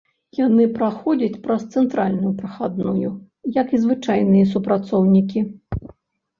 Яны праходзяць праз цэнтральную прахадную, як і звычайныя супрацоўнікі.